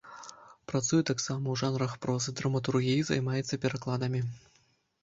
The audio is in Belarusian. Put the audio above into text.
Працуе таксама ў жанрах прозы, драматургіі, займаецца перакладамі.